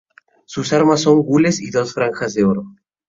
Sus armas son: "gules y dos franjas de oro".